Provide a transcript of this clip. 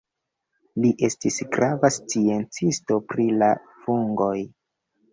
Li estis grava sciencisto pri la fungoj.